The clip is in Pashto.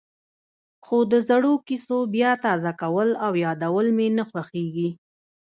خو د زړو کېسو بیا تازه کول او یادول مې نه خوښېږي.